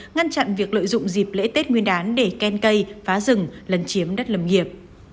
ngăn chặn việc lợi dụng dịp lễ tết nguyên đán để ken cây phá rừng lấn chiếm đất lâm nghiệp